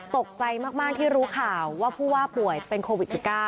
ตกใจมากที่รู้ข่าวว่าผู้ว่าป่วยเป็นโควิด๑๙